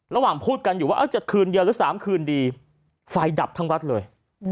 ระหว่างพูดกันอยู่ว่าจะคืนเดียวหรือ๓คืนดีไฟดับทั้งวัดเลย